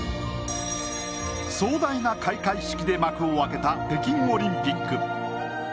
壮大な開会式で幕を開けた北京オリンピック。